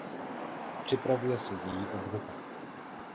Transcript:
Připravuje se její obnova.